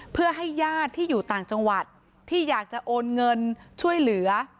เพื่อให้ญาติที่อยู่ต่างจังหวัดที่อยากจะโอนเงินช่วยเหลือ